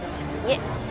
いえ